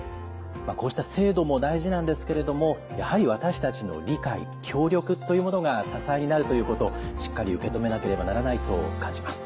こうした制度も大事なんですけれどもやはり私たちの理解協力というものが支えになるということしっかり受け止めなければならないと感じます。